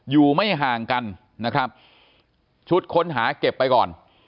อยู่ไม่ห่างกันนะครับชุดค้นหาเก็บไปก่อน